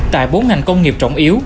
tại bốn ngành công nghiệp trọng yếu